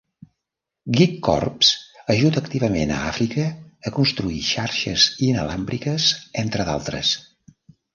Geekcorps ajuda activament a Àfrica a construir xarxes inalàmbriques entre d'altres.